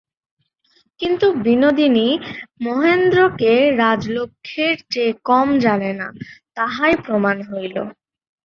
কিন্তু বিনোদিনী মহেন্দ্রকে রাজলক্ষ্মীর চেয়ে কম জানে না, তাহাই প্রমাণ হইল।